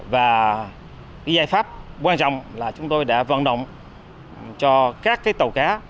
và cái giải pháp quan trọng là chúng tôi đã vận động cho các tàu cá